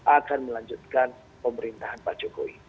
akan melanjutkan pemerintahan pak jokowi